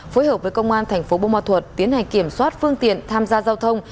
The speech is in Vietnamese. phối hợp với công an thành phố bô ma thuật tiến hành kiểm soát phương tiện tham gia giao thông